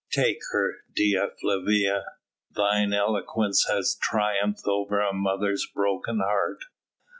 Take her, Dea Flavia! thine eloquence has triumphed over a mother's broken heart."